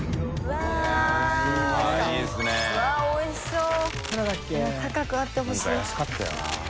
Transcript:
わぁおいしそう。